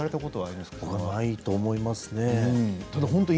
ないと思います。